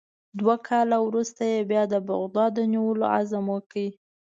دوه کاله وروسته یې بیا د بغداد د نیولو عزم وکړ.